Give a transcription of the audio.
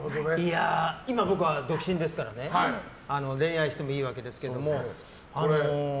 今、僕は独身ですからね恋愛してもいいわけですけども。